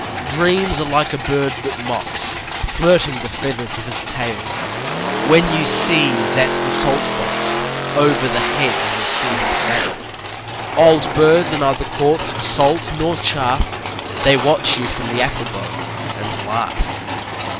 Dreams are like a bird that mocks, Flirting the feathers of his tail. When you sieze at the salt box, Over the hedge you'll see him sail. Old birds are neither caught with salt nor chaff: They watch you from the apple bough and laugh.